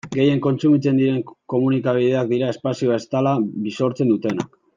Gehien kontsumitzen diren komunikabideak dira espazio estatala bisortzen dutenak.